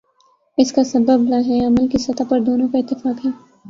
اس کا سبب لائحہ عمل کی سطح پر دونوں کا اتفاق ہے۔